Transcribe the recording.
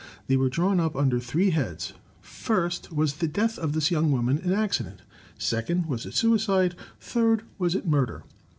They were drawn up under three heads. First, was the death of this yoimg woman an accident? Second, was it a suicide? Third, was it a murder?